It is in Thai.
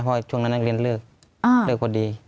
เพราะช่วงนั้นนักเรียนเลิกเลิกพอดี